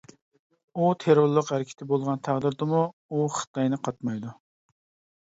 ئۇ تېررورلۇق ھەرىكىتى بولغان تەقدىردىمۇ، ئۇ خىتاينى قاتمايدۇ.